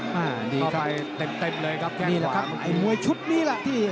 เข้าไปเต็มเลยครับแค่งขวา